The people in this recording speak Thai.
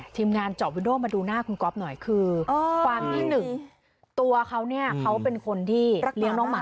ทีมงานเจาะวิโดมาดูหน้าคุณก๊อฟหน่อยคือความที่หนึ่งตัวเขาเนี่ยเขาเป็นคนที่เลี้ยงน้องหมา